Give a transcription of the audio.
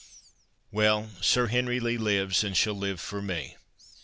Well, Sir Henry Lee lives, and shall live for me.